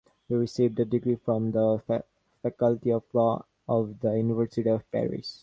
He received a degree from the faculty of law of the University of Paris.